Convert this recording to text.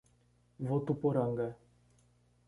Votuporanga